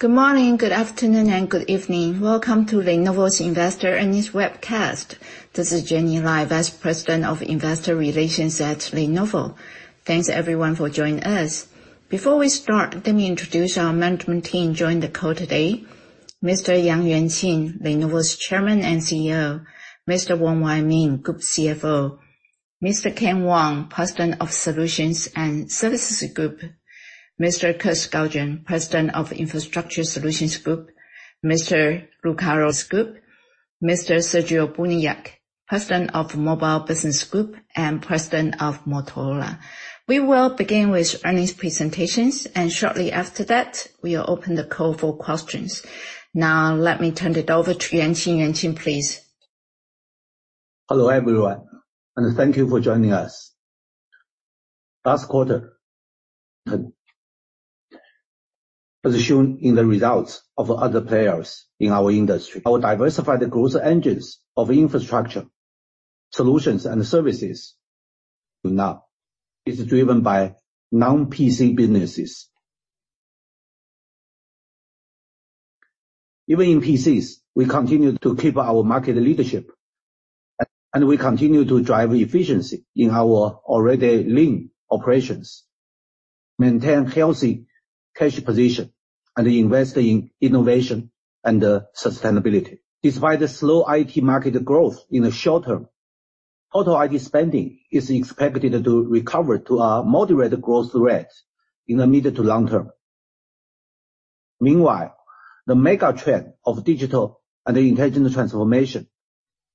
Good morning, good afternoon, and good evening. Welcome to Lenovo's Investor Earnings webcast. This is Jenny Lai, Vice President of Investor Relations at Lenovo. Thanks, everyone, for joining us. Before we start, let me introduce our management team joining the call today. Mr. Yang Yuanqing, Lenovo's Chairman and CEO. Mr. Wong Wai Ming, Group CFO. Mr. Ken Wong, President of Solutions and Services Group. Mr. Kirk Skaugen, President of Infrastructure Solutions Group. Mr. Luca Rossi. Mr. Sergio Buniac, President of Mobile Business Group and President of Motorola. We will begin with earnings presentations. Shortly after that, we will open the call for questions. Now let me turn it over to Yuanqing. Yuanqing, please. Hello, everyone, and thank you for joining us. Last quarter, as shown in the results of other players in our industry, our diversified growth engines of Infrastructure, Solutions and Services now is driven by non-PC businesses. Even in PCs, we continue to keep our market leadership, and we continue to drive efficiency in our already lean operations, maintain healthy cash position, and invest in innovation and sustainability. Despite the slow IT market growth in the short term, total IT spending is expected to recover to a moderate growth rate in the mid to long term. Meanwhile, the mega trend of digital and intelligent transformation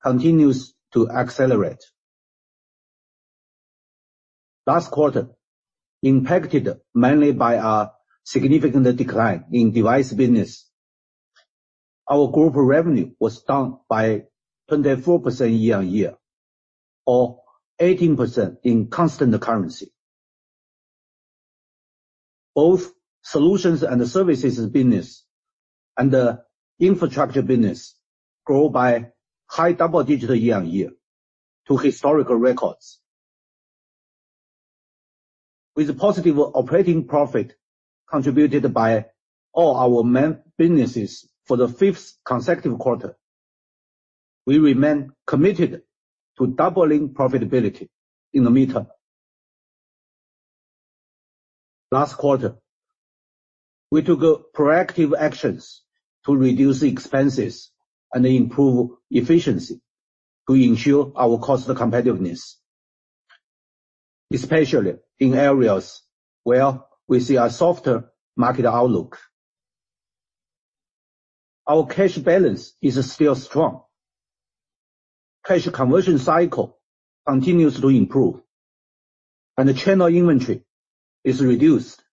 continues to accelerate. Last quarter, impacted mainly by a significant decline in device business, our group revenue was down by 24% year-on-year or 18% in constant currency. Both Solutions and Services business and the Infrastructure business grow by high double digits year-over-year to historical records. With positive operating profit contributed by all our main businesses for the fifth consecutive quarter, we remain committed to doubling profitability in the midterm. Last quarter, we took proactive actions to reduce expenses and improve efficiency to ensure our cost competitiveness, especially in areas where we see a softer market outlook. Our cash balance is still strong. Cash conversion cycle continues to improve, and the channel inventory is reduced,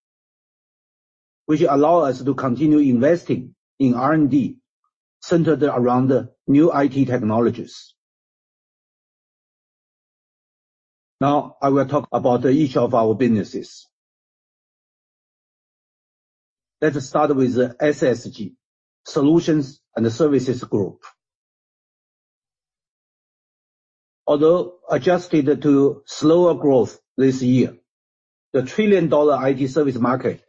which allow us to continue investing in R&D centered around new IT technologies. I will talk about each of our businesses. Let us start with SSG, Solutions and Services Group. Although adjusted to slower growth this year, the trillion-dollar IT service market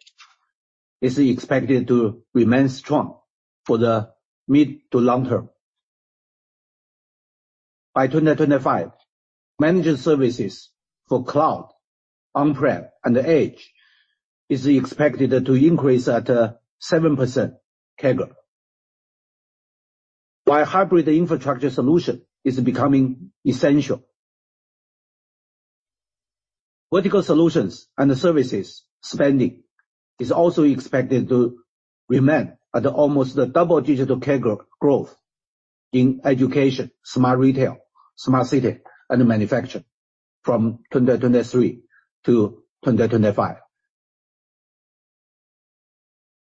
is expected to remain strong for the mid to long term. By 2025, managed services for cloud, on-prem, and edge is expected to increase at 7% CAGR, while hybrid Infrastructure Solution is becoming essential. Vertical solutions and services spending is also expected to remain at almost double-digit CAGR growth in education, smart retail, smart city, and manufacturing from 2023 to 2025.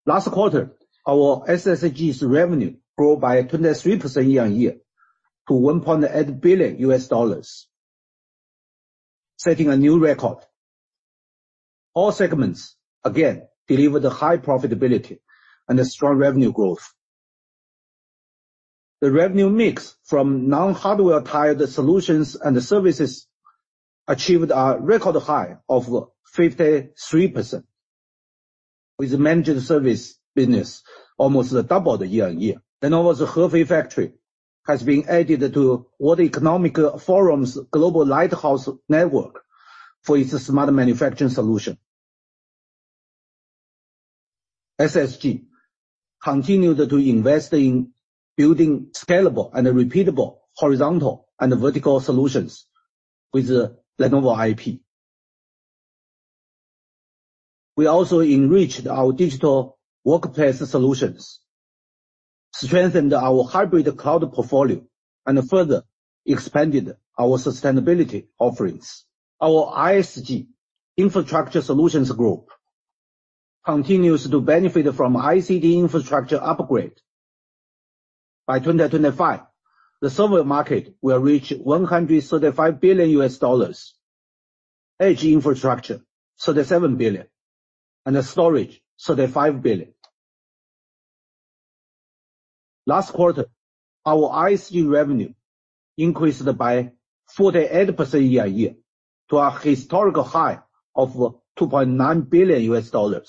Last quarter, our SSG's revenue grew by 23% year-over-year to $1.8 billion, setting a new record. All segments again delivered high profitability and strong revenue growth. The revenue mix from non-hardware tied Solutions and Services achieved a record high of 53%, with managed service business almost doubled year-over-year. Lenovo's Hefei factory has been added to World Economic Forum's Global Lighthouse Network for its smart manufacturing solution. SSG continued to invest in building scalable and repeatable horizontal and vertical solutions with Lenovo IP. We also enriched our digital workplace solutions, strengthened our hybrid cloud portfolio, and further expanded our sustainability offerings. Our ISG, Infrastructure Solutions Group, continues to benefit from ICT infrastructure upgrade. By 2025, the server market will reach $135 billion, edge infrastructure, $37 billion, and storage, $35 billion. Last quarter, our ISG revenue increased by 48% year-on-year to a historical high of $2.9 billion,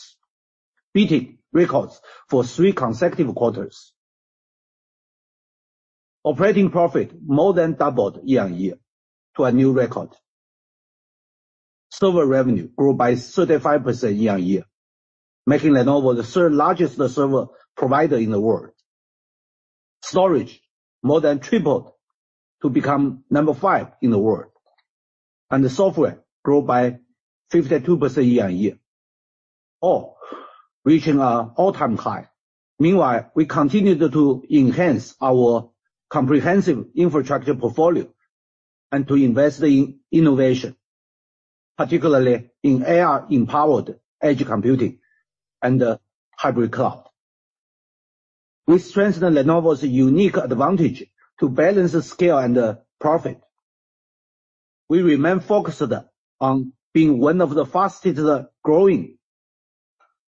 beating records for three consecutive quarters. Operating profit more than doubled year-on-year to a new record. Server revenue grew by 35% year-on-year, making Lenovo the third largest server provider in the world. Storage more than tripled to become number five in the world. The software grew by 52% year-on-year, all reaching an all-time high. Meanwhile, we continued to enhance our comprehensive infrastructure portfolio and to invest in innovation, particularly in AI-empowered edge computing and hybrid cloud. We strengthened Lenovo's unique advantage to balance the scale and profit. We remain focused on being one of the fastest-growing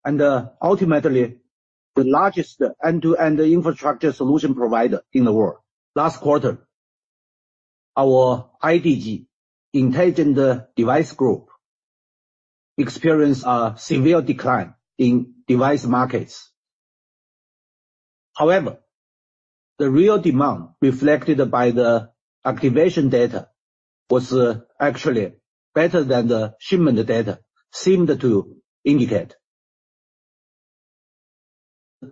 and ultimately the largest end-to-end Infrastructure Solution provider in the world. Last quarter, our IDG, Intelligent Devices Group, experienced a severe decline in device markets. The real demand reflected by the activation data was actually better than the shipment data seemed to indicate.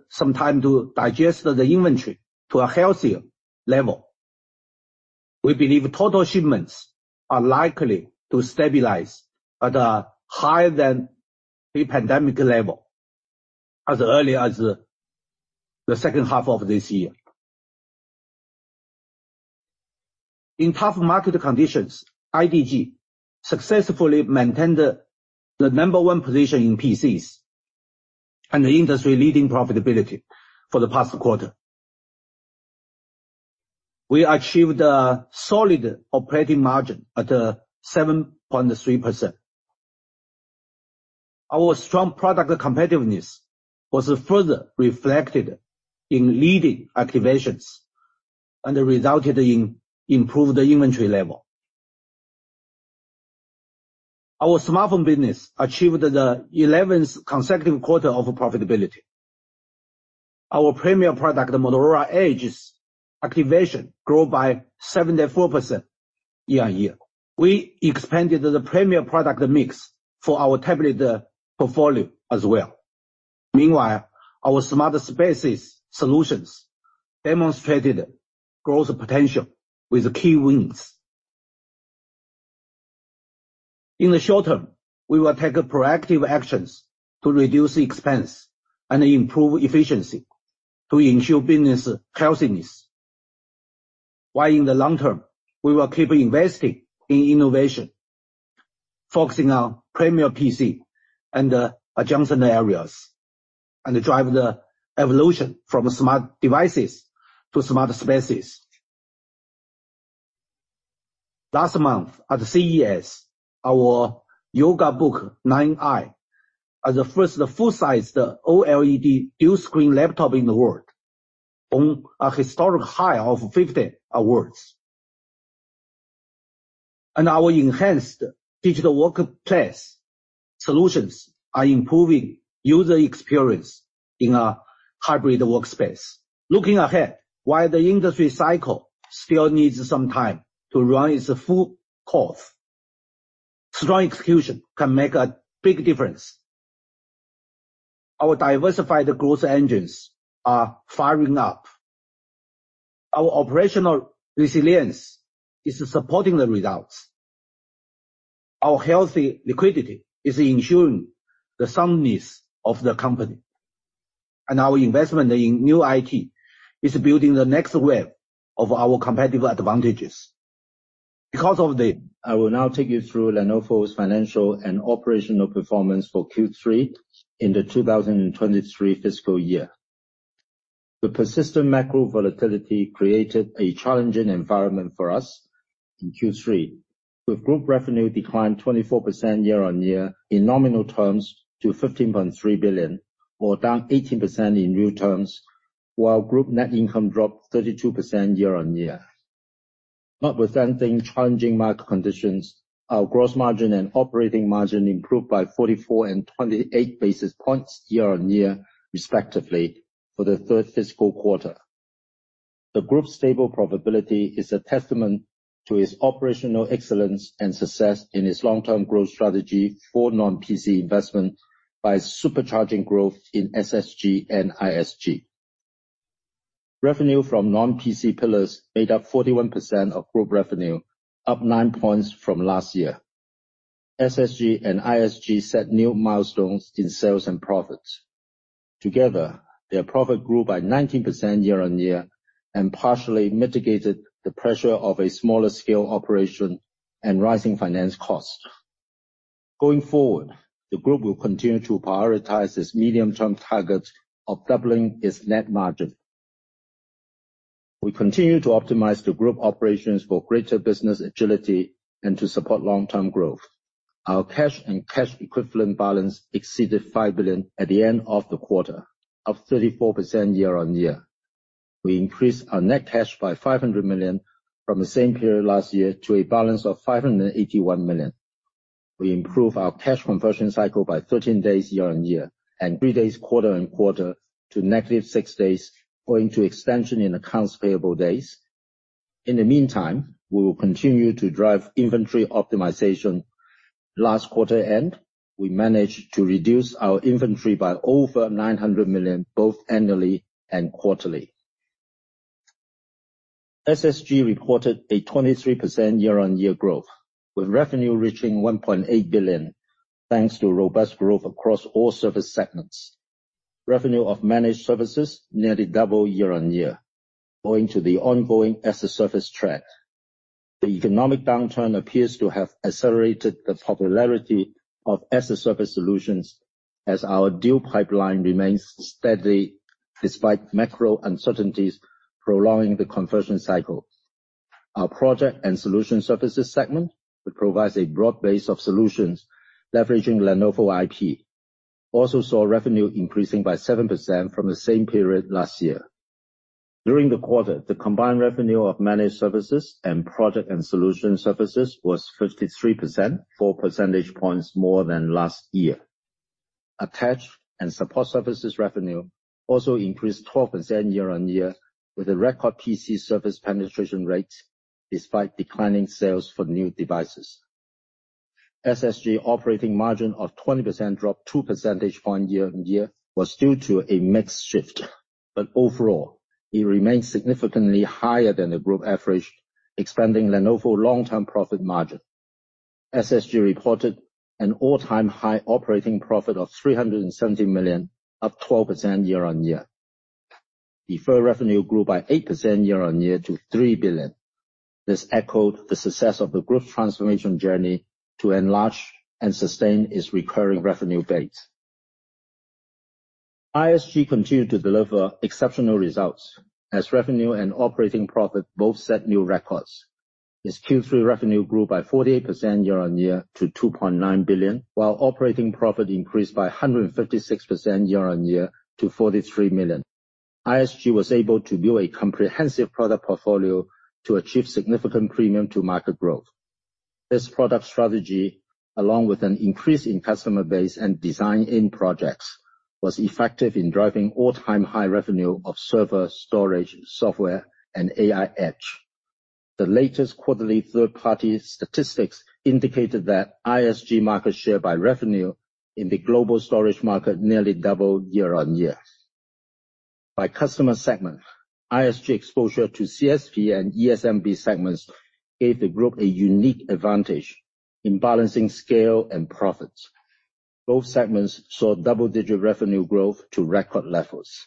Some time to digest the inventory to a healthier level. We believe total shipments are likely to stabilize at a higher than pre-pandemic level as early as the second half of this year. In tough market conditions, IDG successfully maintained the number one position in PCs and the industry-leading profitability for the past quarter. We achieved a solid operating margin at 7.3%. Our strong product competitiveness was further reflected in leading activations and resulted in improved inventory level. Our smartphone business achieved the 11th consecutive quarter of profitability. Our premier product, the Motorola Edge's activation, grew by 74% year-over-year. We expanded the premier product mix for our tablet portfolio as well. Our smart spaces solutions demonstrated growth potential with key wins. In the short term, we will take proactive actions to reduce expense and improve efficiency to ensure business healthiness. In the long term, we will keep investing in innovation, focusing on premier PC and adjacent areas, and drive the evolution from smart devices to smart spaces. Last month at CES, our Yoga Book 9i, as the first full-sized OLED dual screen laptop in the world, won a historic high of 50 awards. Our enhanced digital workplace solutions are improving user experience in a hybrid workspace. Looking ahead, while the industry cycle still needs some time to run its full course, strong execution can make a big difference. Our diversified growth engines are firing up. Our operational resilience is supporting the results. Our healthy liquidity is ensuring the soundness of the company. Our investment in new IT is building the NextWave of our competitive advantages. I will now take you through Lenovo's financial and operational performance for Q3 in the 2023 fiscal year. The persistent macro volatility created a challenging environment for us in Q3, with group revenue declined 24% year-over-year in nominal terms to $15.3 billion, or down 18% in real terms, while group net income dropped 32% year-over-year. Notwithstanding challenging market conditions, our gross margin and operating margin improved by 44 and 28 basis points year-on-year respectively for the third fiscal quarter. The group's stable profitability is a testament to its operational excellence and success in its long-term growth strategy for non-PC investment by supercharging growth in SSG and ISG. Revenue from non-PC pillars made up 41% of group revenue, up nine points from last year. SSG and ISG set new milestones in sales and profits. Together, their profit grew by 19% year-on-year and partially mitigated the pressure of a smaller scale operation and rising finance costs. Going forward, the group will continue to prioritize its medium-term target of doubling its net margin. We continue to optimize the group operations for greater business agility and to support long-term growth. Our cash and cash equivalent balance exceeded $5 billion at the end of the quarter, up 34% year-on-year. We increased our net cash by $500 million from the same period last year to a balance of $581 million. We improved our cash conversion cycle by 13 days year-on-year, and three days quarter-on-quarter to -6 days, owing to extension in accounts payable days. In the meantime, we will continue to drive inventory optimization. Last quarter end, we managed to reduce our inventory by over $900 million, both annually and quarterly. SSG reported a 23% year-on-year growth, with revenue reaching $1.8 billion, thanks to robust growth across all service segments. Revenue of managed services nearly double year-on-year, owing to the ongoing as-a-service trend. The economic downturn appears to have accelerated the popularity of as-a-service solutions, as our deal pipeline remains steady despite macro uncertainties prolonging the conversion cycle. Our Product and Solution Services segment, which provides a broad base of solutions leveraging Lenovo IP, also saw revenue increasing by 7% from the same period last year. During the quarter, the combined revenue of managed services and product and solution services was 53%, four percentage points more than last year. Attach and support services revenue also increased 12% year-on-year, with a record PC service penetration rate despite declining sales for new devices. SSG operating margin of 20% dropped two percentage point year-over-year was due to a mix shift, but overall, it remains significantly higher than the group average, expanding Lenovo long-term profit margin. SSG reported an all-time high operating profit of $370 million, up 12% year-over-year. Deferred revenue grew by 8% year-over-year to $3 billion. This echoed the success of the group's transformation journey to enlarge and sustain its recurring revenue base. ISG continued to deliver exceptional results as revenue and operating profit both set new records. Its Q3 revenue grew by 48% year-over-year to $2.9 billion, while operating profit increased by 156% year-over-year to $43 million. ISG was able to build a comprehensive product portfolio to achieve significant premium to market growth. This product strategy, along with an increase in customer base and design in projects, was effective in driving all-time high revenue of server, storage, software, and AI edge. The latest quarterly third-party statistics indicated that ISG market share by revenue in the global storage market nearly doubled year-on-year. By customer segment, ISG exposure to CSP and ESMB segments gave the group a unique advantage in balancing scale and profits. Both segments saw double-digit revenue growth to record levels.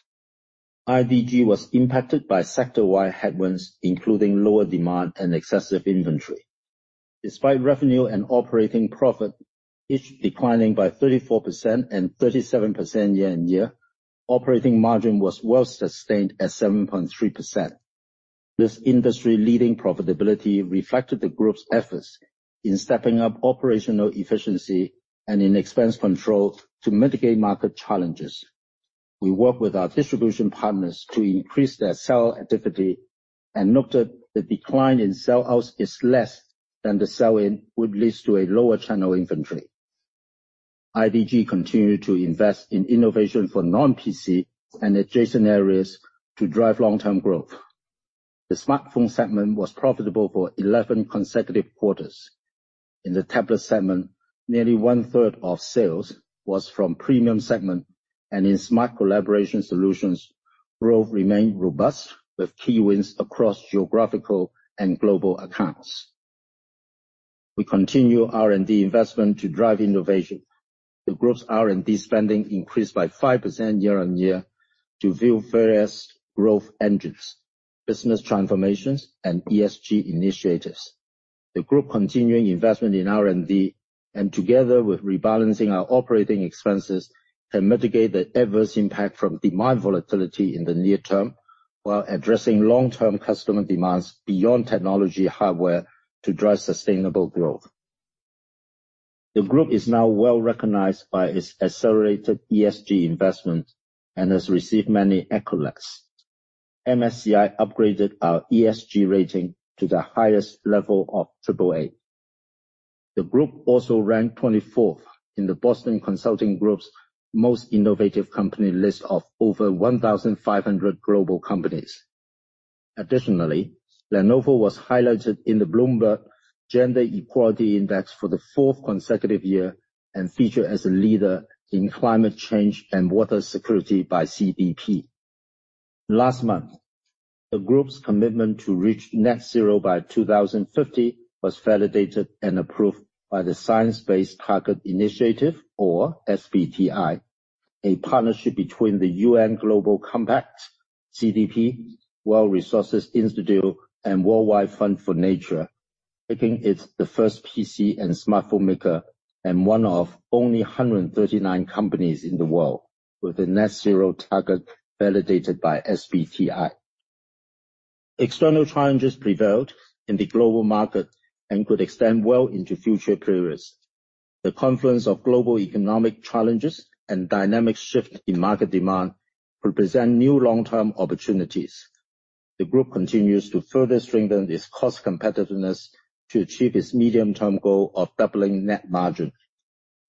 IDG was impacted by sector-wide headwinds, including lower demand and excessive inventory. Despite revenue and operating profit each declining by 34% and 37% year-on-year, operating margin was well sustained at 7.3%. This industry-leading profitability reflected the group's efforts in stepping up operational efficiency and in expense control to mitigate market challenges. We work with our distribution partners to increase their sell activity and note that the decline in sell-outs is less than the sell-in, which leads to a lower channel inventory. IDG continued to invest in innovation for non-PC and adjacent areas to drive long-term growth. The smartphone segment was profitable for 11 consecutive quarters. In the tablet segment, nearly one-third of sales was from premium segment, in Smart Collaboration solutions, growth remained robust with key wins across geographical and global accounts. We continue R&D investment to drive innovation. The group's R&D spending increased by 5% year-over-year to view various growth engines, business transformations, and ESG initiatives. The group continuing investment in R&D, and together with rebalancing our operating expenses, can mitigate the adverse impact from demand volatility in the near term, while addressing long-term customer demands beyond technology hardware to drive sustainable growth. The group is now well-recognized by its accelerated ESG investment and has received many accolades. MSCI upgraded our ESG rating to the highest level of triple A. The group also ranked 24th in the Boston Consulting Group's most innovative company list of over 1,500 global companies. Lenovo was highlighted in the Bloomberg Gender-Equality Index for the 4th consecutive year and featured as a leader in climate change and water security by CDP. Last month, the group's commitment to reach net zero by 2050 was validated and approved by the Science Based Targets initiative or SBTi, a partnership between the UN Global Compact, CDP, World Resources Institute, and World Wide Fund for Nature. Making it the first PC and smartphone maker, and one of only 139 companies in the world with a net zero target validated by SBTi. External challenges prevailed in the global market and could extend well into future periods. The confluence of global economic challenges and dynamic shift in market demand will present new long-term opportunities. The group continues to further strengthen its cost competitiveness to achieve its medium-term goal of doubling net margin.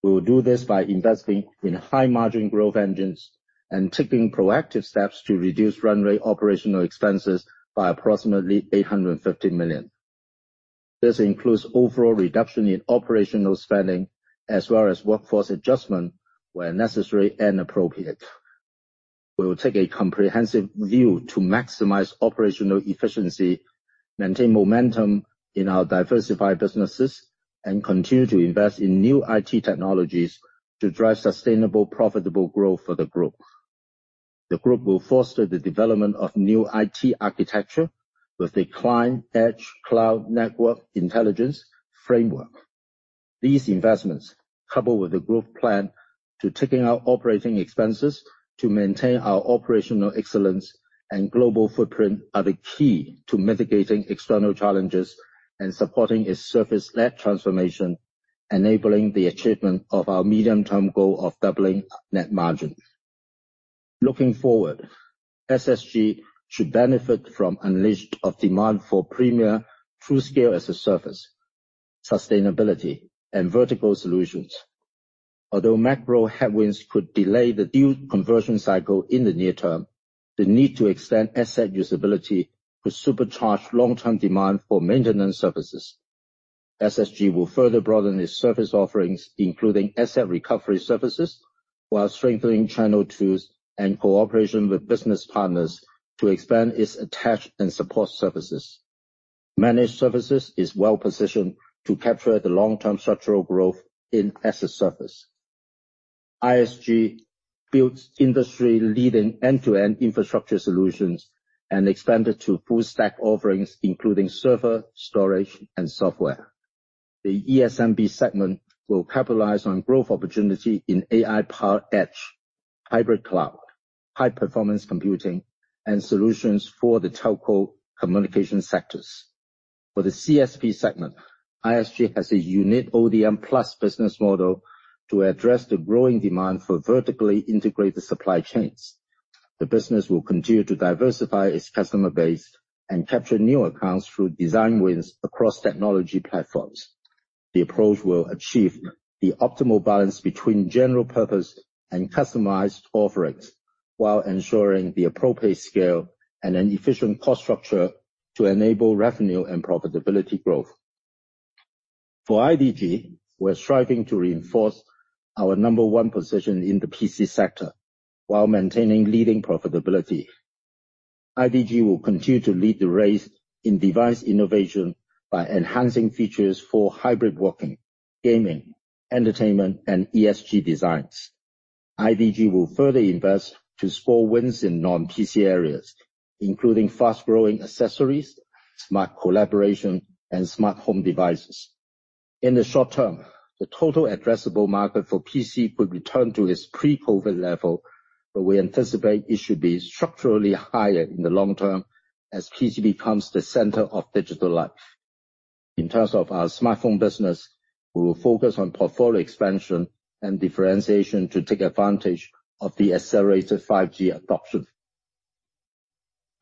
We will do this by investing in high-margin growth engines and taking proactive steps to reduce runway operational expenses by approximately $850 million. This includes overall reduction in operational spending as well as workforce adjustment where necessary and appropriate. We will take a comprehensive view to maximize operational efficiency, maintain momentum in our diversified businesses, and continue to invest in new IT technologies to drive sustainable, profitable growth for the group. The group will foster the development of new IT architecture with a client edge cloud network intelligence framework. These investments, coupled with the growth plan to taking our operating expenses to maintain our operational excellence and global footprint, are the key to mitigating external challenges and supporting a surface-led transformation, enabling the achievement of our medium-term goal of doubling net margin. Looking forward, SSG should benefit from unleashed of demand for premier TruScale as-a-service, sustainability, and vertical solutions. Although macro headwinds could delay the due conversion cycle in the near term, the need to extend asset usability could supercharge long-term demand for maintenance services. SSG will further broaden its service offerings, including asset recovery services, while strengthening channel tools and cooperation with business partners to expand its attach and support services. Managed services is well-positioned to capture the long-term structural growth in as-a-service. ISG builds industry-leading end-to-end Infrastructure Solutions and expand it to full stack offerings, including server, storage, and software. The ESMB segment will capitalize on growth opportunity in AI power edge, hybrid cloud, high-performance computing, and solutions for the telco communication sectors. The CSP segment, ISG has a unique ODM+ business model to address the growing demand for vertically integrated supply chains. The business will continue to diversify its customer base and capture new accounts through design wins across technology platforms. The approach will achieve the optimal balance between general purpose and customized offerings while ensuring the appropriate scale and an efficient cost structure to enable revenue and profitability growth. For IDG, we're striving to reinforce our number one position in the PC sector while maintaining leading profitability. IDG will continue to lead the race in device innovation by enhancing features for hybrid working, gaming, entertainment, and ESG designs. IDG will further invest to score wins in non-PC areas, including fast-growing accessories, Smart Collaboration, and smart home devices. In the short term, the total addressable market for PC could return to its pre-COVID level, but we anticipate it should be structurally higher in the long term as PC becomes the center of digital life. In terms of our smartphone business, we will focus on portfolio expansion and differentiation to take advantage of the accelerated 5G adoption.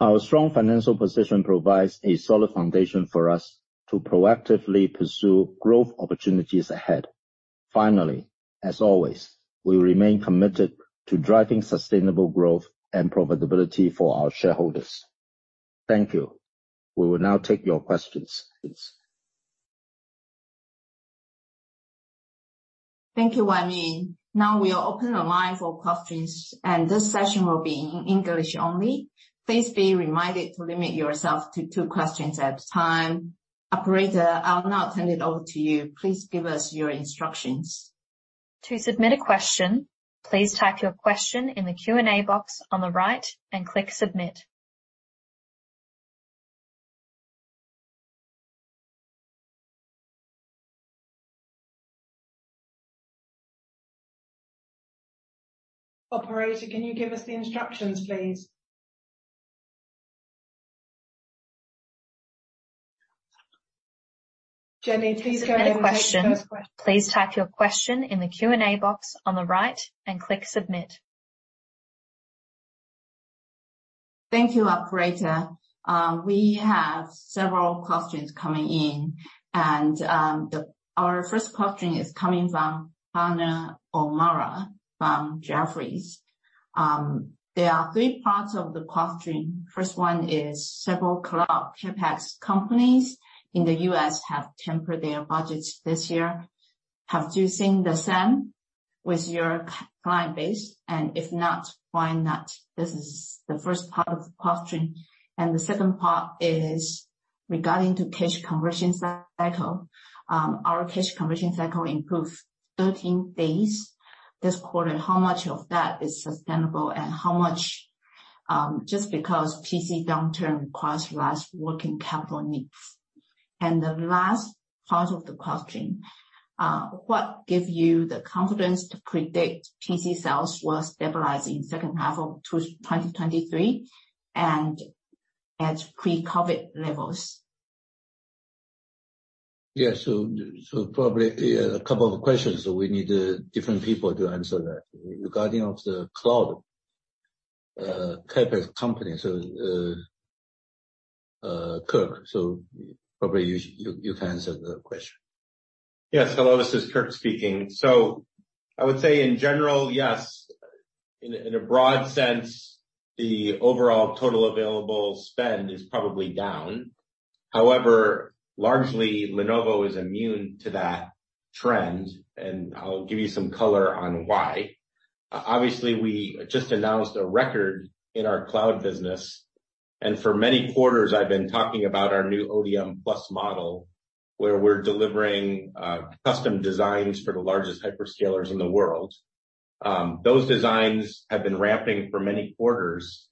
Our strong financial position provides a solid foundation for us to proactively pursue growth opportunities ahead. Finally, as always, we remain committed to driving sustainable growth and profitability for our shareholders. Thank you. We will now take your questions. Thank you, Wai ming. Now we are open the line for questions. This session will be in English only. Please be reminded to limit yourself to two questions at a time. Operator, I'll now turn it over to you. Please give us your instructions. To submit a question, please type your question in the Q&A box on the right and click submit. Operator, can you give us the instructions, please? Jenny, please go ahead and take the first. To submit a question, please type your question in the Q&A box on the right and click Submit. Thank you, operator. We have several questions coming in. Our first question is coming from Leping Huang from Jefferies. There are three parts of the question. First one is, several cloud CapEx companies in the US have tempered their budgets this year. Have you seen the same with your client base? If not, why not? This is the first part of the question. The second part is regarding to cash conversion cycle. Our cash conversion cycle improved 13 days this quarter. How much of that is sustainable and how much just because PC downturn requires less working capital needs. The last part of the question, what give you the confidence to predict PC sales will stabilize in second half of 2023 and at pre-COVID levels? Yeah. Probably, yeah, a couple of questions, so we need different people to answer that. Regarding of the cloud, type of company. Kirk. Probably you can answer the question. Yes. Hello, this is Kirk speaking. I would say in general, yes, in a, in a broad sense, the overall total available spend is probably down. However, largely Lenovo is immune to that trend, and I'll give you some color on why. Obviously, we just announced a record in our cloud business. For many quarters I've been talking about our new ODM+ model, where we're delivering custom designs for the largest hyperscalers in the world. Those designs have been ramping for many quarters,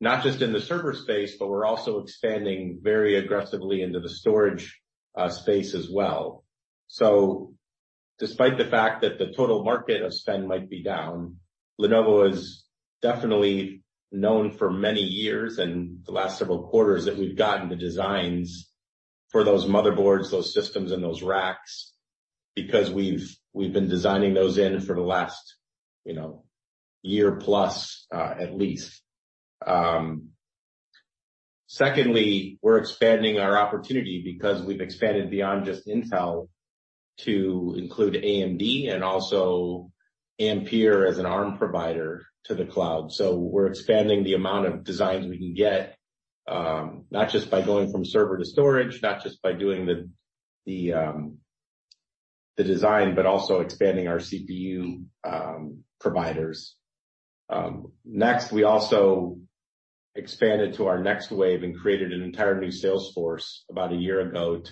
not just in the server space, but we're also expanding very aggressively into the storage space as well. Despite the fact that the total market of spend might be down, Lenovo is definitely known for many years and the last several quarters that we've gotten the designs for those motherboards, those systems and those racks, because we've been designing those in for the last, you know, year plus, at least. Secondly, we're expanding our opportunity because we've expanded beyond just Intel to include AMD and also Ampere as an ARM provider to the cloud. We're expanding the amount of designs we can get, not just by going from server to storage, not just by doing the design, but also expanding our CPU providers. Next, we also expanded to our NextWave and created an entire new sales force about a year ago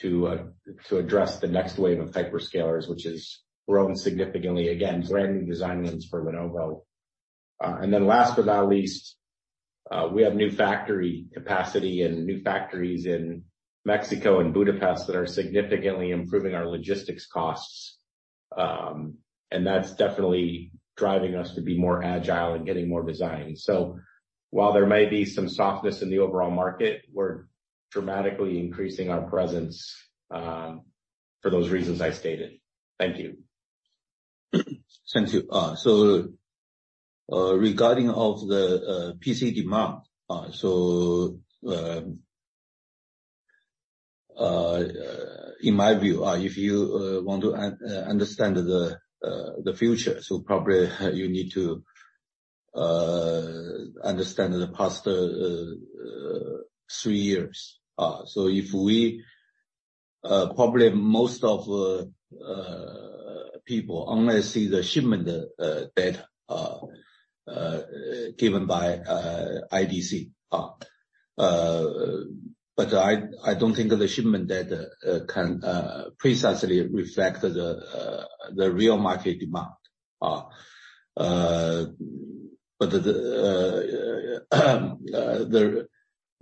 to address the NextWave of hyperscalers, which is growing significantly, again, brand-new design wins for Lenovo. Last but not least, we have new factory capacity and new factories in Mexico and Budapest that are significantly improving our logistics costs. That's definitely driving us to be more agile in getting more designs. While there may be some softness in the overall market, we're dramatically increasing our presence, for those reasons I stated. Thank you. Thank you. Regarding of the PC demand. In my view, if you want to understand the future, probably you need to understand the past three years. Probably most of people only see the shipment data given by IDC. I don't think the shipment data can precisely reflect the real market demand.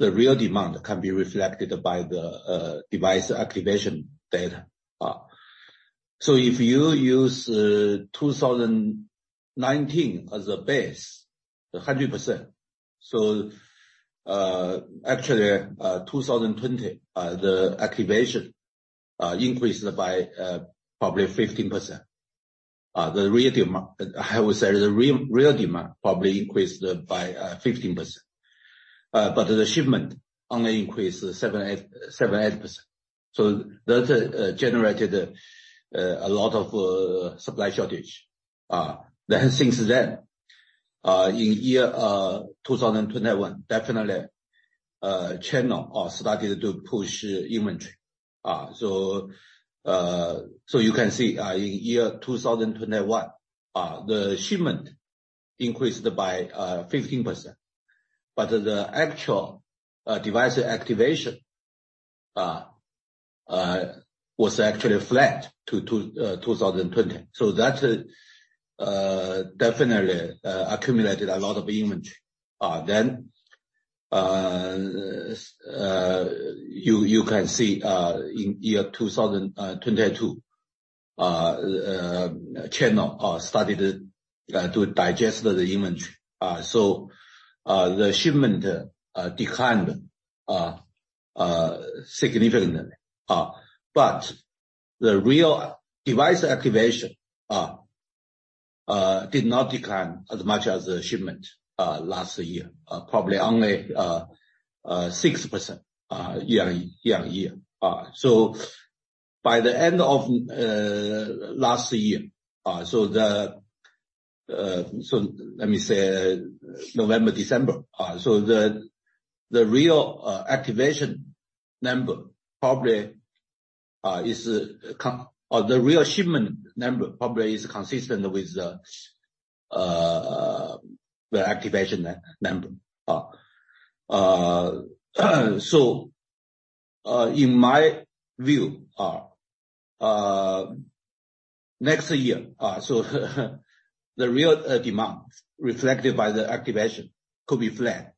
The real demand can be reflected by the device activation data. If you use 2019 as a base, 100%. Actually, 2020 the activation increased by probably 15%. The real demand-- I would say the real demand probably increased by 15%. The shipment only increased 7%, 8%, 7%, 8%. That generated a lot of supply shortage. Since then, in year 2021, definitely, channel started to push inventory. You can see, in year 2021, the shipment increased by 15%, but the actual device activation was actually flat to 2020. That definitely accumulated a lot of inventory. You can see, in year 2022, channel started to digest the inventory. The shipment declined significantly. The real device activation did not decline as much as the shipment last year. Probably only 6% year-on-year. By the end of last year, let me say November, December. The real activation number probably or the real shipment number probably is consistent with the activation number. In my view, next year, the real demand reflected by the activation could be flat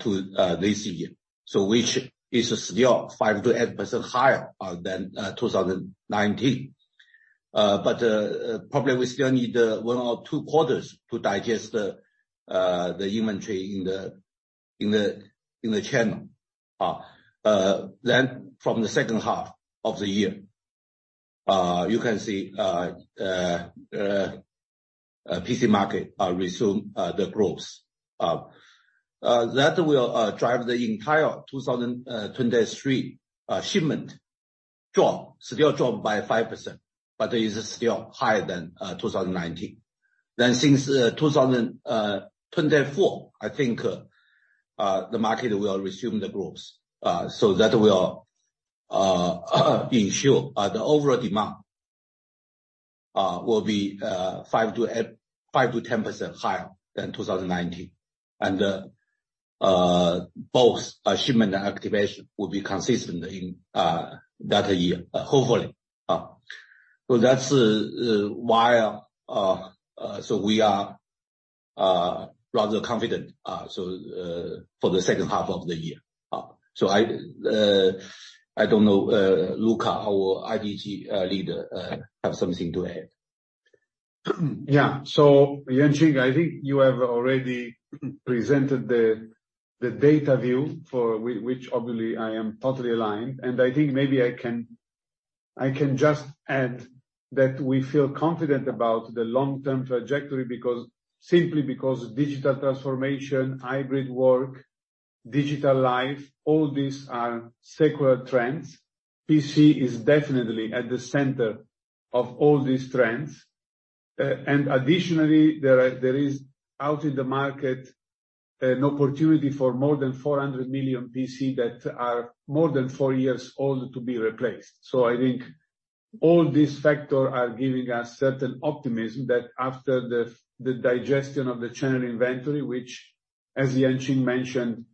to this year, which is still 5%-8% higher than 2019. Probably we still need one or two quarters to digest the inventory in the channel. From the second half of the year, you can see PC market resume the growth. That will drive the entire 2023 shipment drop, still drop by 5%, but it is still higher than 2019. Since 2024, I think the market will resume the growth, so that will ensure the overall demand will be 5%-10% higher than 2019. Both shipment and activation will be consistent in that year, hopefully. That's why so we are rather confident so for the second half of the year. I don't know, Luca, our IDG, leader, have something to add. Yeah. So, Yuanqing, I think you have already presented the data view for which obviously I am totally aligned. I think maybe I can just add that we feel confident about the long-term trajectory because, simply because digital transformation, hybrid work, digital life, all these are secular trends. PC is definitely at the center of all these trends. Additionally, there is, out in the market, an opportunity for more than 400 million PC that are more than four years old to be replaced. I think all these factor are giving us certain optimism that after the digestion of the channel inventory, which, as Yuanqing mentioned,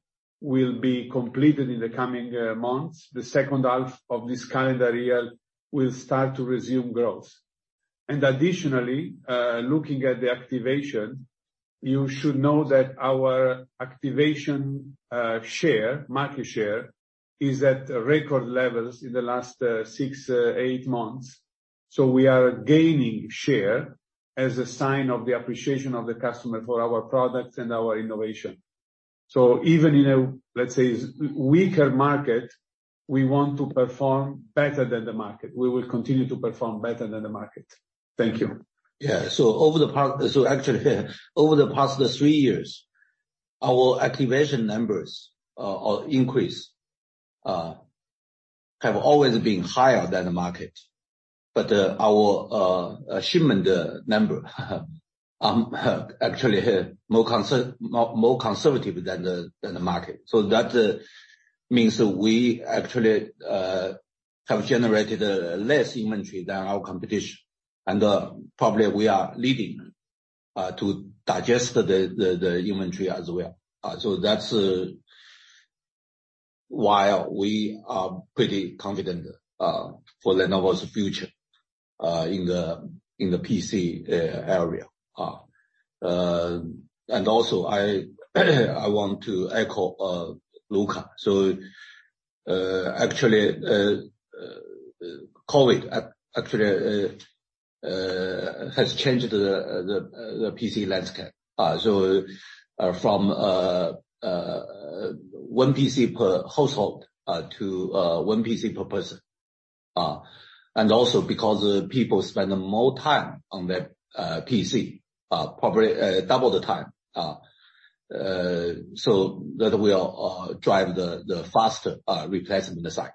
will be completed in the coming months. The second half of this calendar year will start to resume growth. Additionally, looking at the activation, you should know that our activation, share, market share, is at record levels in the last, six, eight months. We are gaining share as a sign of the appreciation of the customer for our products and our innovation. Even in a, let's say, weaker market, we want to perform better than the market. We will continue to perform better than the market. Thank you. Actually over the past three years, our activation numbers or increase have always been higher than the market. Our shipment number have actually more conservative than the market. That means that we actually have generated less inventory than our competition. Probably we are leading to digest the inventory as well. That's why we are pretty confident for Lenovo's future in the PC area. Also I want to echo Luca. Actually, COVID actually has changed the PC landscape. From one PC per household to one PC per person. Also because people spend more time on their PC, probably double the time, so that will drive the faster replacement cycle.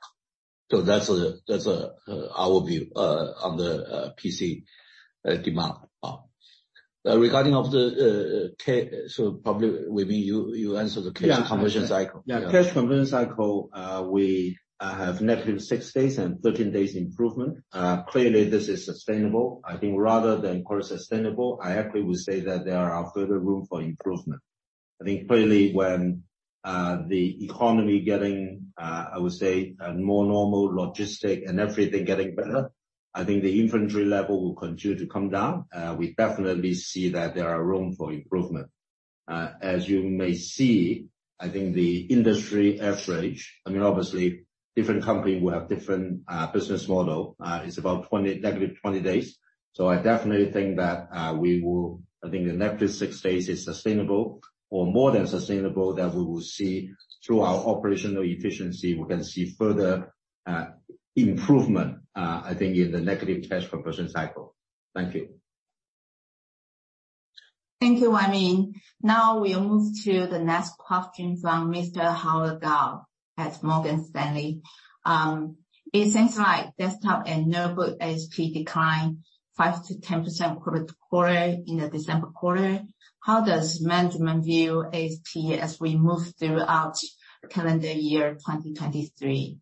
That's that's our view on the PC demand. Regarding of the. Probably maybe you answer the cash conversion cycle. Yeah, cash conversion cycle, we have negative six days and 13 days improvement. Clearly this is sustainable. I think rather than quite sustainable, I actually would say that there are further room for improvement. I think clearly when the economy getting, I would say, more normal, logistic and everything getting better, I think the inventory level will continue to come down. We definitely see that there are room for improvement. As you may see, I think the industry average, I mean, obviously, different company will have different business model. It's about 20, -20 days. I definitely think that the negative six days is sustainable or more than sustainable, that we will see through our operational efficiency, we can see further improvement, I think in the negative cash conversion cycle. Thank you. Thank you, Yuanqing. We move to the next question from Mr. Howard Kao at Morgan Stanley. It seems like desktop and notebook HP declined 5%-10% quarter-over-quarter in the December quarter. How does management view HP as we move throughout calendar year 2023?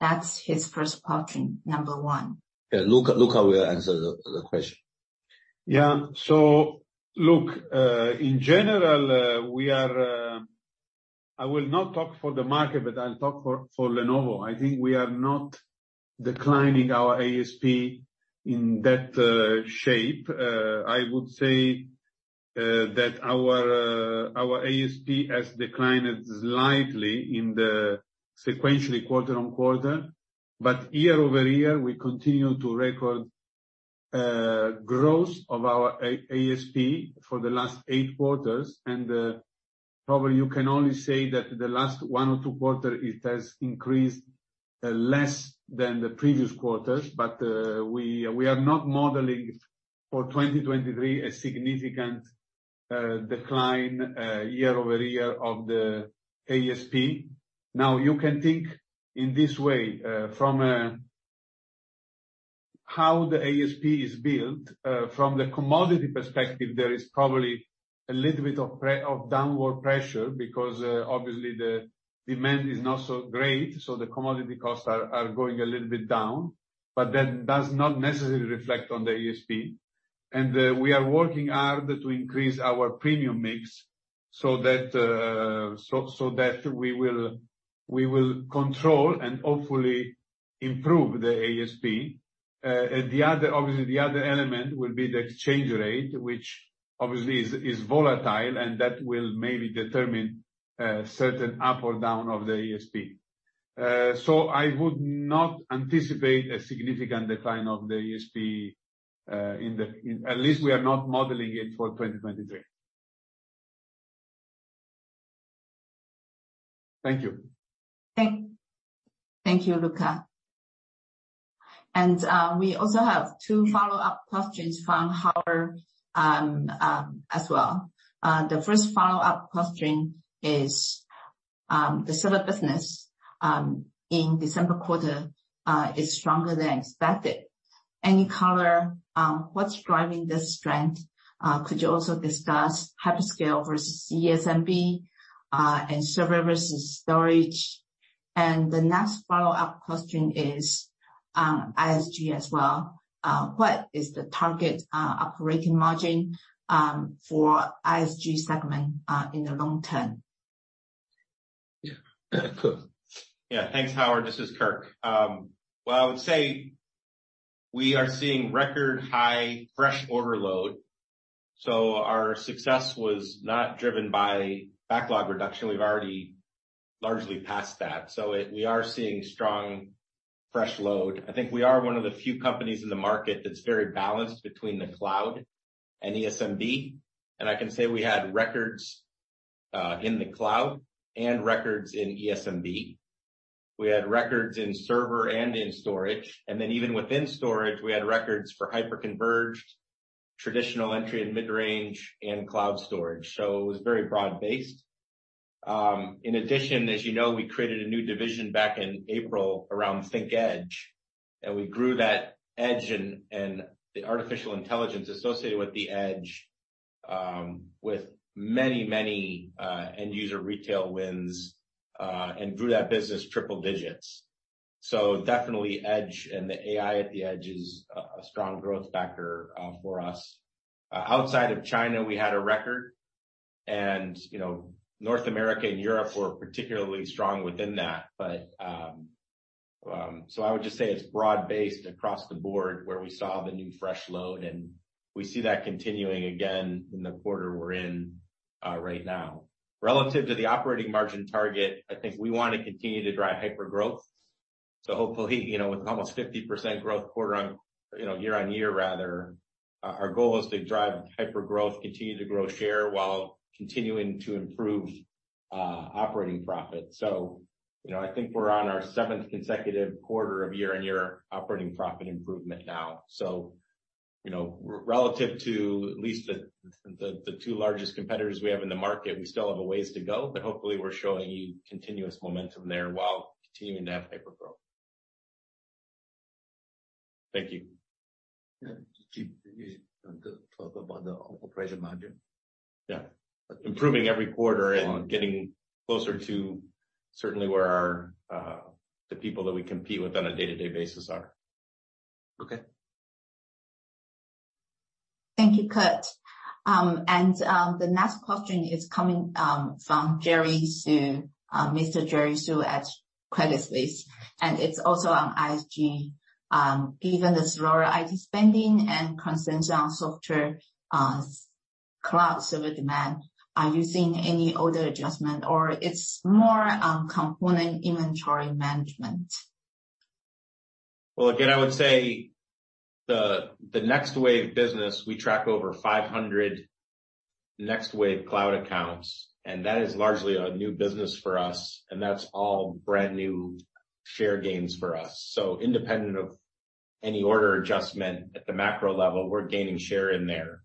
That's his first question, number one. Yeah. Luca will answer the question. Look, in general, I will not talk for the market, but I'll talk for Lenovo. I think we are not declining our ASP in that shape. I would say that our ASP has declined slightly in the sequentially quarter-on-quarter. Year-over-year, we continue to record growth of our ASP for the last eight quarters. Probably you can only say that the last one or two quarter it has increased less than the previous quarters. We are not modeling for 2023 a significant decline year-over-year of the ASP. You can think in this way, from how the ASP is built. From the commodity perspective, there is probably a little bit of downward pressure because obviously the demand is not so great, so the commodity costs are going a little bit down. That does not necessarily reflect on the ASP. We are working hard to increase our premium mix so that we will control and hopefully improve the ASP. Obviously, the other element will be the exchange rate, which obviously is volatile, and that will maybe determine certain up or down of the ASP. I would not anticipate a significant decline of the ASP. At least we are not modeling it for 2023. Thank you. Thank you, Luca. We also have two follow-up questions from Howard as well. The first follow-up question is the server business in December quarter is stronger than expected. Any color on what's driving this strength? Could you also discuss hyperscale versus ESMB and server versus storage? The next follow-up question is ISG as well. What is the target operating margin for ISG segment in the long term? Yeah. Kirk. Yeah. Thanks, Howard. This is Kirk. Well, I would say we are seeing record high fresh order load. Our success was not driven by backlog reduction. We've already largely passed that. We are seeing strong fresh load. I think we are one of the few companies in the market that's very balanced between the cloud and ESMB, and I can say we had records in the cloud and records in ESMB. We had records in server and in storage. Even within storage, we had records for hyper-converged, traditional entry and mid-range, and cloud storage. It was very broad-based. In addition, as you know, we created a new division back in April around ThinkEdge, and we grew that edge and the artificial intelligence associated with the edge, with many, many end user retail wins, and grew that business triple digits. Definitely edge and the AI at the edge is a strong growth factor for us. Outside of China, we had a record and, you know, North America and Europe were particularly strong within that. I would just say it's broad-based across the board where we saw the new fresh load, and we see that continuing again in the quarter we're in right now. Relative to the operating margin target, I think we want to continue to drive hypergrowth. Hopefully, you know, with almost 50% growth quarter on... You know, year-over-year rather, our goal is to drive hypergrowth, continue to grow share while continuing to improve, operating profit. You know, I think we're on our seventh consecutive quarter of year-over-year operating profit improvement now. You know, relative to at least the, the two largest competitors we have in the market, we still have a ways to go, but hopefully we're showing continuous momentum there while continuing to have hypergrowth. Thank you. Yeah. Did you want to talk about the operation margin? Yeah. Improving every quarter and getting closer to certainly where our, the people that we compete with on a day-to-day basis are. Okay. Thank you, Kirk. The next question is coming from Jerry Xu, Mr. Jerry Xu at Credit Suisse. It's also on ISG. Given the slower IT spending and consensus on software, cloud server demand, are you seeing any order adjustment or it's more on component inventory management? Well, again, I would say the NextWave business, we track over 500 NextWave cloud accounts, and that is largely a new business for us, and that's all brand new share gains for us. Independent of any order adjustment at the macro level, we're gaining share in there.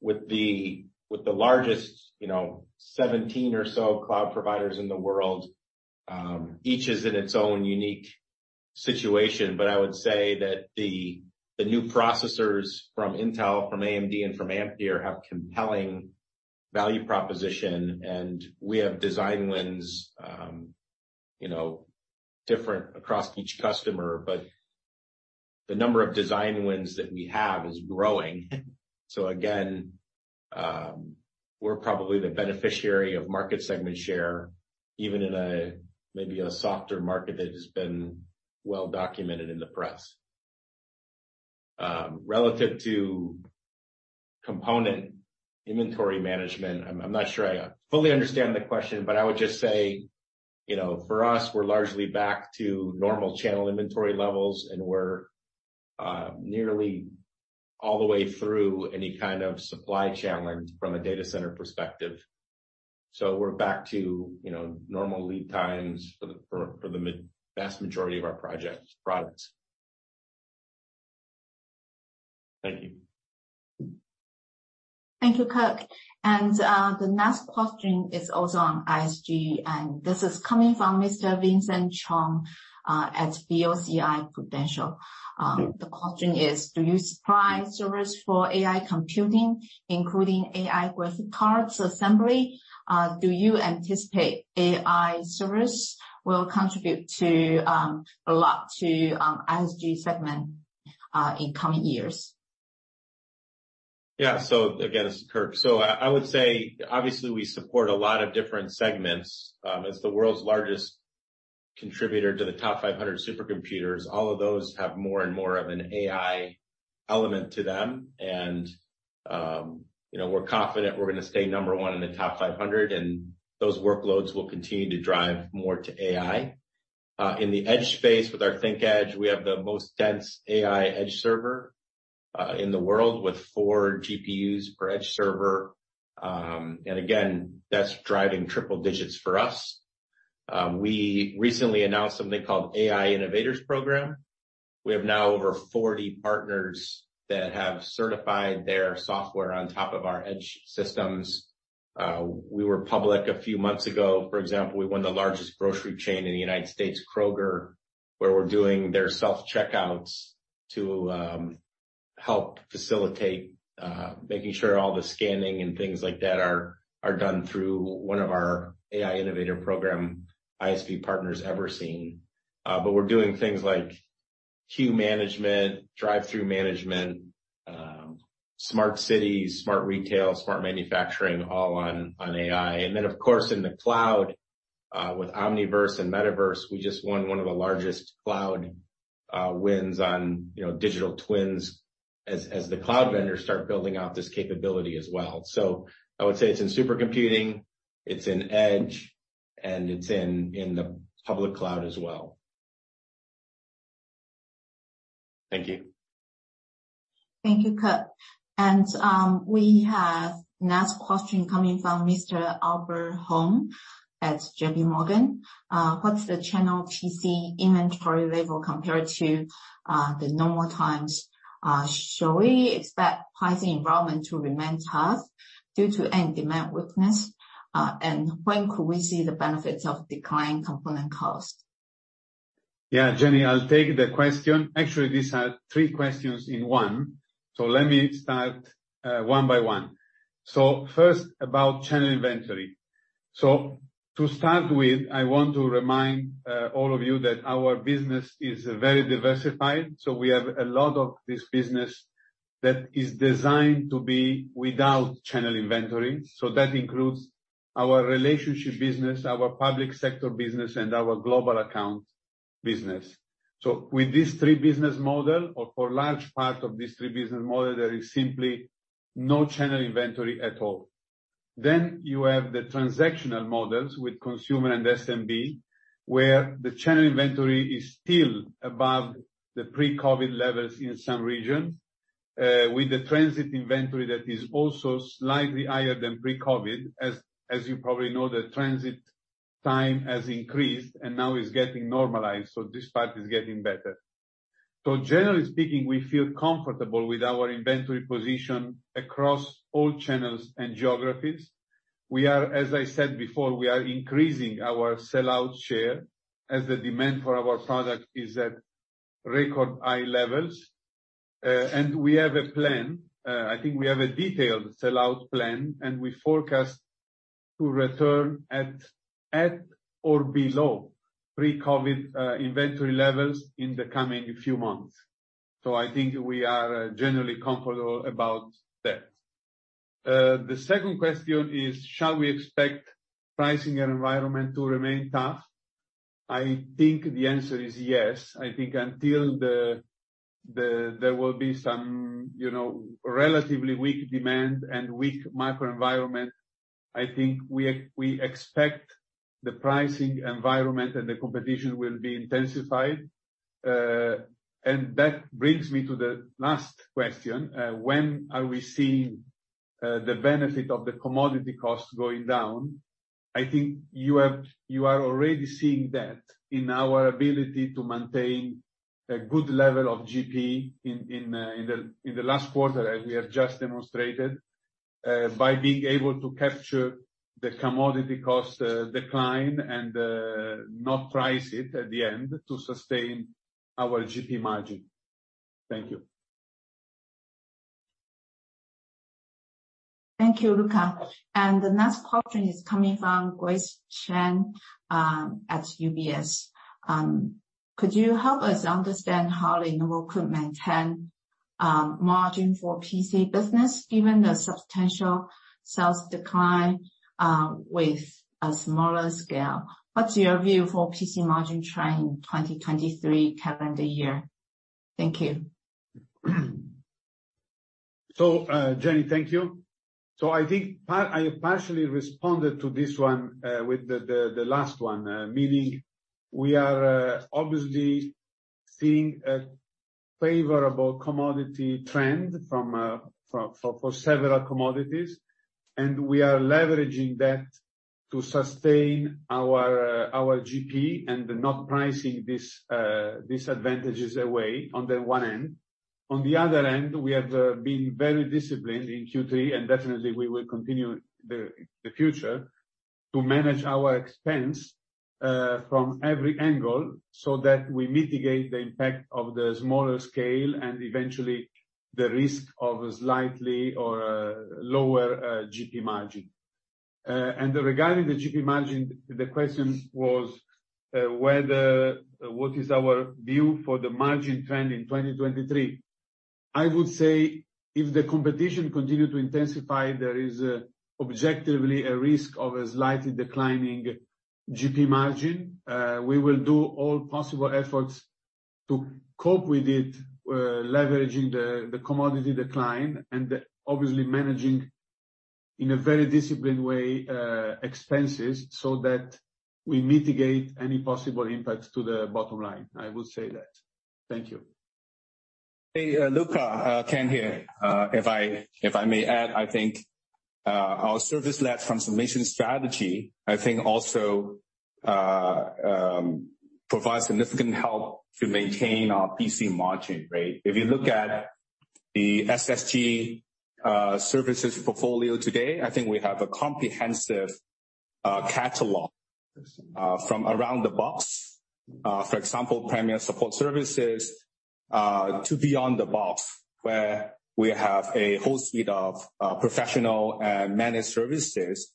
With the largest, you know, 17 or so cloud providers in the world, each is in its own unique situation. I would say that the new processors from Intel, from AMD, and from Ampere have compelling value proposition, and we have design wins, you know, different across each customer. The number of design wins that we have is growing. Again, we're probably the beneficiary of market segment share, even in a maybe a softer market that has been well documented in the press. Relative to component inventory management, I'm not sure I fully understand the question, but I would just say, you know, for us, we're largely back to normal channel inventory levels, and we're nearly all the way through any kind of supply challenge from a data center perspective. We're back to, you know, normal lead times for the vast majority of our products. Thank you. Thank you, Kirk. The next question is also on ISG, and this is coming from Mr. Vincent Chong at Yuanta Financial. The question is, do you supply service for AI computing, including AI graphics cards assembly? Do you anticipate AI service will contribute to a lot to ISG segment in coming years? Again, this is Kirk. I would say, obviously, we support a lot of different segments, as the world's largest contributor to the top 500 supercomputers. All of those have more and more of an AI element to them. You know, we're confident we're gonna stay number one in the top 500, and those workloads will continue to drive more to AI. In the edge space with our ThinkEdge, we have the most dense AI edge server, in the world with 4 GPUs per edge server. Again, that's driving triple digits for us. We recently announced something called AI Innovators Program. We have now over 40 partners that have certified their software on top of our edge systems. We were public a few months ago. For example, we won the largest grocery chain in the United States, Kroger, where we're doing their self-checkouts to help facilitate making sure all the scanning and things like that are done through one of our AI Innovators Program, ISV partners Everseen. We're doing things like queue management, drive-thru management, smart cities, smart retail, smart manufacturing, all on AI. Of course, in the cloud with Omniverse and Metaverse, we just won one of the largest cloud wins on, you know, digital twins as the cloud vendors start building out this capability as well. I would say it's in supercomputing, it's in edge, and it's in the public cloud as well. Thank you. Thank you, Kirk. We have next question coming from Mr. Gokul Hariharan at JPMorgan. What's the channel PC inventory level compared to the normal times? Shall we expect pricing environment to remain tough due to end demand weakness? When could we see the benefits of declining component cost? Yeah. Jenny, I'll take the question. Actually, these are three questions in one. Let me start one by one. First, about channel inventory. To start with, I want to remind all of you that our business is very diversified. We have a lot of this business that is designed to be without channel inventory. That includes our relationship business, our public sector business, and our global account business. With these three business model or for large part of these three business model, there is simply no channel inventory at all. You have the transactional models with consumer and SMB, where the channel inventory is still above the pre-COVID levels in some regions, with the transit inventory that is also slightly higher than pre-COVID. As you probably know, the transit time has increased and now is getting normalized. This part is getting better. Generally speaking, we feel comfortable with our inventory position across all channels and geographies. As I said before, we are increasing our sell-out share as the demand for our product is at record high levels. And we have a plan, I think we have a detailed sellout plan, and we forecast to return at or below pre-COVID inventory levels in the coming few months. I think we are generally comfortable about that. The second question is, shall we expect pricing environment to remain tough? I think the answer is yes. I think until there will be some, you know, relatively weak demand and weak macro environment, I think we expect the pricing environment and the competition will be intensified. That brings me to the last question, when are we seeing the benefit of the commodity costs going down? I think you are already seeing that in our ability to maintain a good level of GP in the last quarter, as we have just demonstrated by being able to capture the commodity cost decline and not price it at the end to sustain our GP margin. Thank you. Thank you, Luca. The next question is coming from Grace Chen at UBS. Could you help us understand how Lenovo could maintain margin for PC business, given the substantial sales decline with a smaller scale? What's your view for PC margin trend in 2023 calendar year? Thank you. Jenny, thank you. I partially responded to this one with the last one. Meaning we are obviously seeing a favorable commodity trend for several commodities. We are leveraging that to sustain our GP and not pricing this disadvantages away on the one end. On the other end, we have been very disciplined in Q3, and definitely we will continue the future to manage our expense from every angle, so that we mitigate the impact of the smaller scale and eventually the risk of a slightly or lower GP margin. Regarding the GP margin, the question was whether what is our view for the margin trend in 2023. I would say if the competition continue to intensify, there is objectively a risk of a slightly declining GP margin. We will do all possible efforts to cope with it, leveraging the commodity decline and obviously managing in a very disciplined way expenses, so that we mitigate any possible impacts to the bottom line. I will say that. Thank you. Hey, Luca. Ken here. If I, if I may add, I think our service-led transformation strategy, I think also provides significant help to maintain our PC margin, right? If you look at the SSG services portfolio today, I think we have a comprehensive catalog from around the box. For example, premier support services to beyond the box, where we have a whole suite of professional and managed services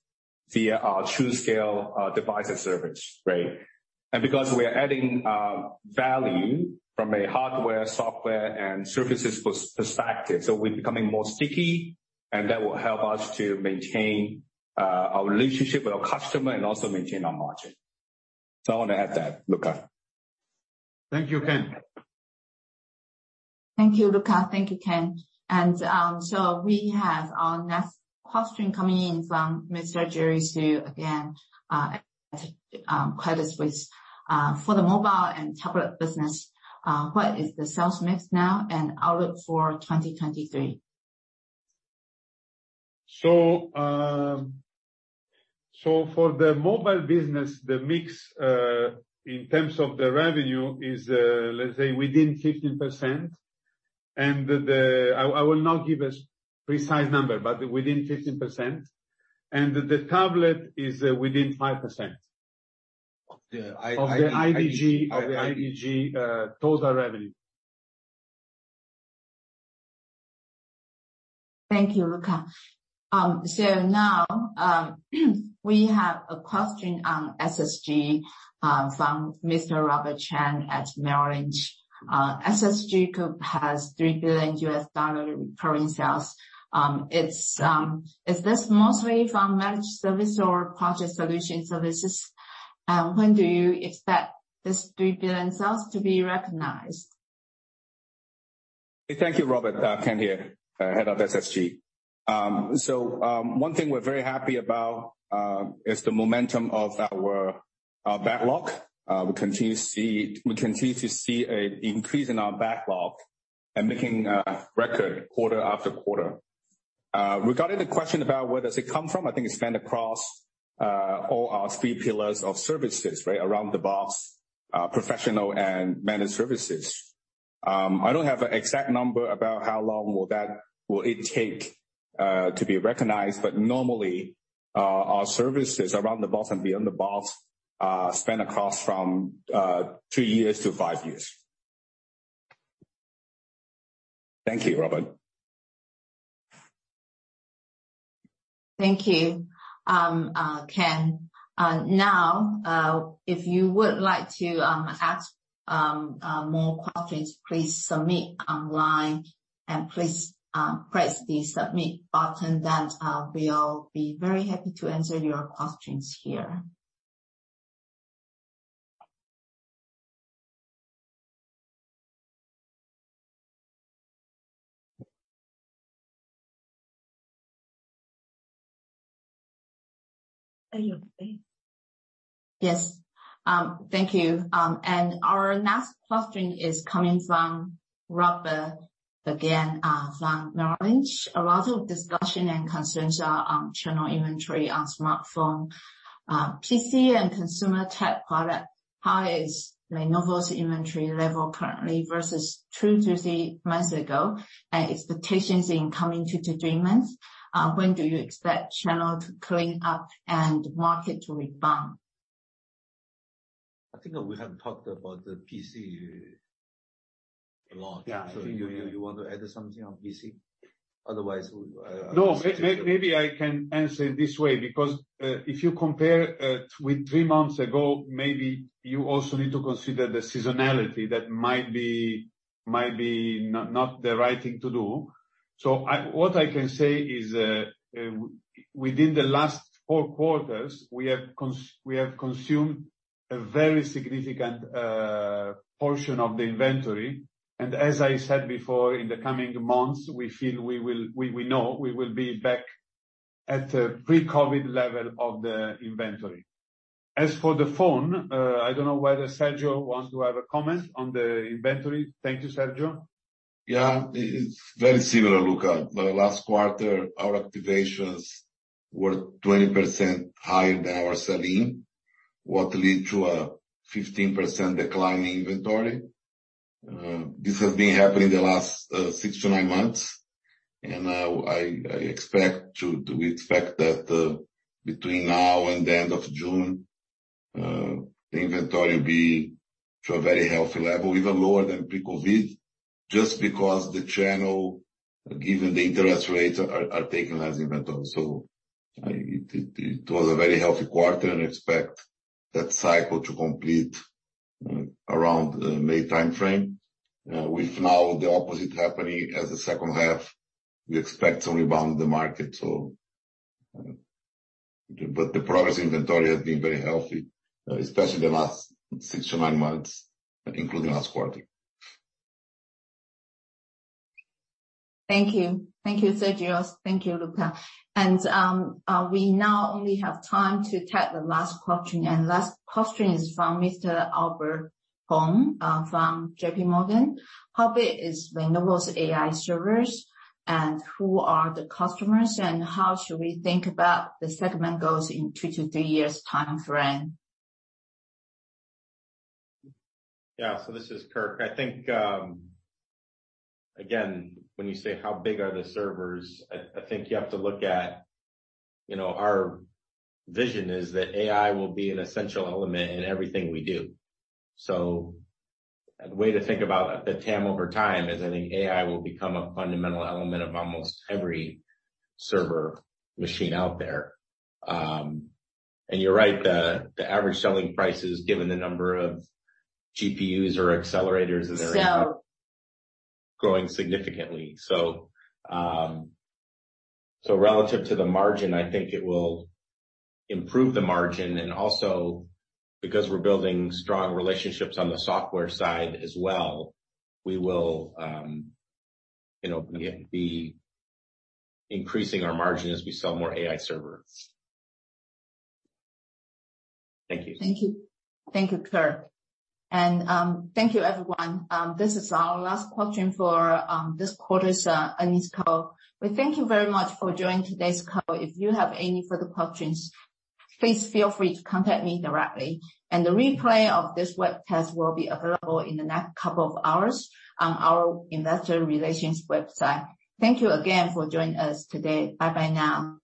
via our TruScale devices service, right? Because we are adding value from a hardware, software and services perspective, so we're becoming more sticky, and that will help us to maintain our relationship with our customer and also maintain our margin. I want to add that, Luca. Thank you, Ken. Thank you, Luca. Thank you, Ken. We have our next question coming in from Mr. Jerry Xu again, at Credit Suisse. For the mobile and tablet business, what is the sales mix now and outlook for 2023? For the mobile business, the mix in terms of the revenue is, let's say within 15%. I will not give a precise number, but within 15%. The tablet is within 5%. Of the IDG. Of the IDG, total revenue. Thank you, Luca. Now, we have a question on SSG from Mr. Robert Chan at Merrill Lynch. SSG has $3 billion recurring sales. Is this mostly from Managed Service or Project Solution Services? When do you expect this $3 billion sales to be recognized? Thank you, Robert. Ken here, head of SSG. One thing we're very happy about is the momentum of our backlog. We continue to see an increase in our backlog and making record quarter after quarter. Regarding the question about where does it come from, I think it's spread across all our three pillars of services, right? Around the box, professional and managed services. I don't have an exact number about how long will it take to be recognized, but normally, our services around the box and beyond the box span across from three years to five years. Thank you, Robert. Thank you, Ken. Now, if you would like to ask a more questions, please submit online, please press the submit button. We'll be very happy to answer your questions here. Hello. Yes. Thank you. Our next question is coming from Robert again, from Merrill Lynch. A lot of discussion and concerns are on channel inventory on smartphone, PC and consumer tech product. How is Lenovo's inventory level currently versus two-three months ago and expectations in coming two-three months? When do you expect channel to clean up and market to rebound? I think we haven't talked about the PC a lot. Yeah. You want to add something on PC? Otherwise, we. Maybe I can answer it this way, because if you compare with three months ago, maybe you also need to consider the seasonality that might be not the right thing to do. What I can say is, within the last four quarters, we have consumed a very significant portion of the inventory. As I said before, in the coming months, we feel we know we will be back at the pre-COVID level of the inventory. As for the phone, I don't know whether Sergio wants to have a comment on the inventory. Thank you, Sergio. Yeah. It's very similar, Luca Rossi. The last quarter, our activations were 20% higher than our selling, what lead to a 15% decline in inventory. This has been happening the last six-nine months. We expect that between now and the end of June, the inventory will be to a very healthy level, even lower than pre-COVID, just because the channel, given the interest rates are taking less inventory. It was a very healthy quarter and expect that cycle to complete around May timeframe. With now the opposite happening as the second half, we expect to rebound the market so, the progress inventory has been very healthy, especially the last six-nine months, including last quarter. Thank you. Thank you, Sergio. Thank you, Luca. We now only have time to take the last question. Last question is from Mr. Gokul Hariharan, from JPMorgan. How big is Lenovo's AI servers, and who are the customers, and how should we think about the segment goals in two-three years timeframe? Yeah. This is Kirk. I think, again, when you say how big are the servers, I think you have to look at, you know, our vision is that AI will be an essential element in everything we do. A way to think about the TAM over time is I think AI will become a fundamental element of almost every server machine out there. You're right, the average selling price is given the number of GPUs or accelerators that are- So- -growing significantly. So relative to the margin, I think it will improve the margin and also because we're building strong relationships on the software side as well, we will, you know, be increasing our margin as we sell more AI servers. Thank you. Thank you. Thank you, Kirk. Thank you everyone. This is our last question for this quarter's earnings call. We thank you very much for joining today's call. If you have any further questions, please feel free to contact me directly. The replay of this webcast will be available in the next couple of hours on our investor relations website. Thank you again for joining us today. Bye bye now.